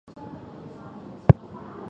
山梨半造日本陆军军人。